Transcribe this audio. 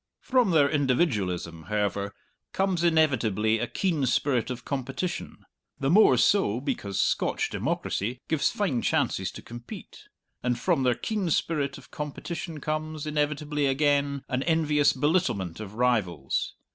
From their individualism, however, comes inevitably a keen spirit of competition (the more so because Scotch democracy gives fine chances to compete), and from their keen spirit of competition comes, inevitably again, an envious belittlement of rivals.